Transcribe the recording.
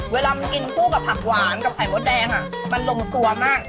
เวลามันกินคู่กับผักหวานกับไข่มดแดงมันลงตัวมาก